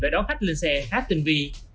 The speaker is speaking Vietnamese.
để đón khách lên xe khác tình vi